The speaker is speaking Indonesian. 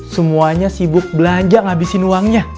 semuanya sibuk belanja ngabisin uangnya